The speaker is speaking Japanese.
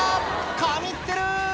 神ってる！